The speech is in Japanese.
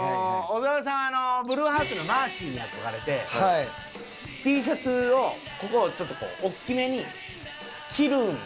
小沢さんはブルーハーツのマーシーに憧れてＴシャツをここをちょっと大きめに切るんですよ。